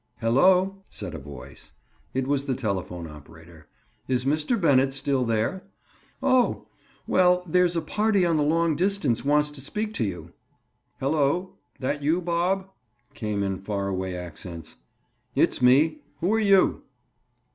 "Hello!" said a voice. It was the telephone operator. "Is Mr. Bennett still there? Oh! Well, there's a party on the long distance wants to speak to you." "Hello; that you, Bob?" came in far away accents. "It's me. Who are you?"